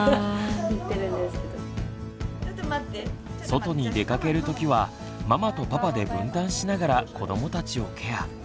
外に出かけるときはママとパパで分担しながら子どもたちをケア。